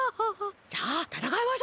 じゃあたたかいましょう。